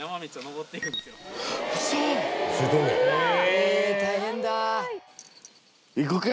えぇ大変だ。